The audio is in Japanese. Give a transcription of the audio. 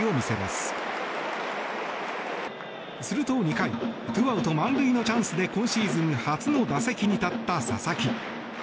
すると２回２アウト満塁のチャンスで今シーズン初の打席に立った佐々木。